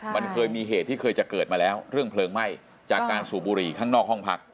มันเคยมีเหตุที่เคยจะเกิดมาแล้วเรื่องเพลิงไหม้จากการสูบบุหรี่ข้างนอกห้องพัก